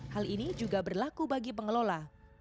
hal ini juga berlaku bagi pengelola